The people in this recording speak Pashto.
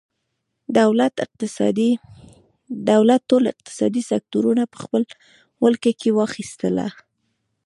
دولت ټول اقتصادي سکتورونه په خپله ولکه کې واخیستل.